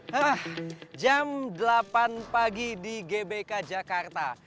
hah jam delapan pagi di gbk jakarta